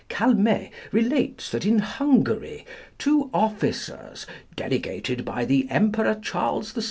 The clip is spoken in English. Calmet relates that in Hungary two officers, delegated by the emperor Charles VI.